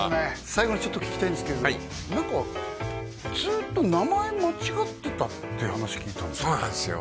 最後にちょっと聞きたいんですけど何かずっと名前間違ってたって話聞いたそうなんですよ